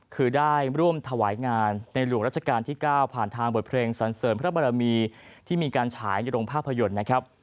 คือได้ร่วมถวายงานในหลวงราชการที่๙ผ่านทางบทเพลงสันเสริมพระบรมีที่มีการฉายในโรงภาพยนตร์นะครับ